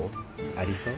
ありそう？